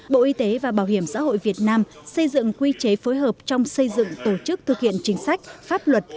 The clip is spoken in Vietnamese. bộ y tế và bảo hiểm xã hội việt nam xây dựng quy chế phối hợp trong xây dựng tổ chức thực hiện chính sách pháp luật